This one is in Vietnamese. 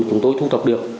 chúng tôi thu thập được